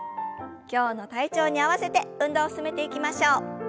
今日の体調に合わせて運動を進めていきましょう。